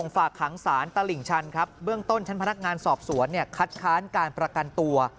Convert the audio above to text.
ฝากขังสารตลิ่งชันครับเบื้องต้นชั้นพนักงานสอบสวนคัดค้านการประกันตัว